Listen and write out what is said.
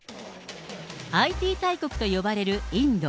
ＩＴ大国と呼ばれるインド。